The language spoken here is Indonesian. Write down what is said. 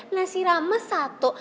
nasi ramah satu